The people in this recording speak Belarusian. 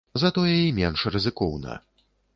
Затое і менш рызыкоўна.